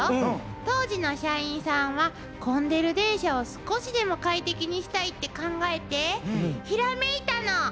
当時の社員さんは混んでる電車を少しでも快適にしたいって考えてひらめいたの！